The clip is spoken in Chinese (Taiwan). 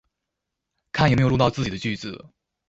看有沒有錄到自己的句子